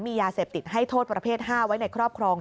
มียาเสพติดให้โทษประเภท๕ไว้ในครอบครอง